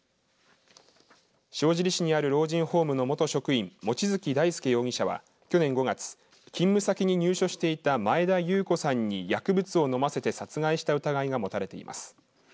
塩尻市にある老人ホームの元職員望月大輔容疑者は去年５月勤務先に入所していた前田裕子さんに薬物を飲ませて殺害した疑いが持たれています。